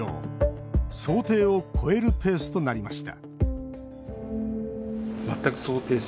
想定を超えるペースとなりました